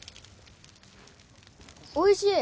おいしい！